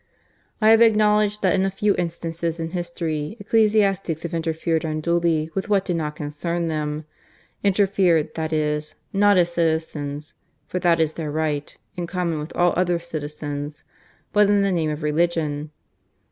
I have acknowledged that in a few instances in history ecclesiastics have interfered unduly with what did not concern them interfered, that is, not as citizens (for that is their right, in common with all other citizens) but in the Name of Religion.